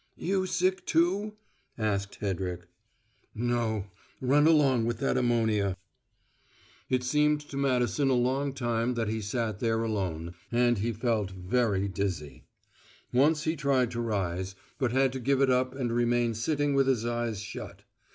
"You sick, too?" asked Hedrick. "No. Run along with that ammonia." It seemed to Madison a long time that he sat there alone, and he felt very dizzy. Once he tried to rise, but had to give it up and remain sitting with his eyes shut.